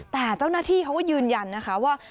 แต่เจ้าหน้าที่เขาก็ยืนยันนะคะว่า